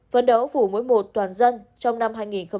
phấn đấu phủ mỗi một toàn dân trong năm hai nghìn hai mươi